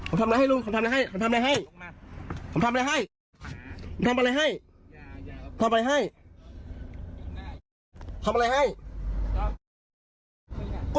โอ้โอ้โอ้